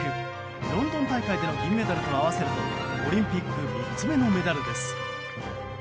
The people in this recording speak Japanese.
ロンドン大会での銀メダルと合わせるとオリンピック３つ目のメダルです。